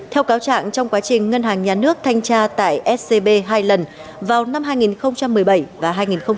theo cáo trạng trong quá trình ngân hàng nhà nước thanh tra tại scb hai lần vào năm hai nghìn một mươi bảy và hai nghìn một mươi bảy